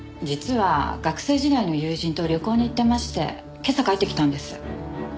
実は学生時代の友人と旅行に行ってまして今朝帰ってきたんです。